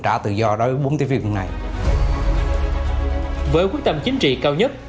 trả tự do đối với bốn tiếp viên này với quyết tâm chính trị cao nhất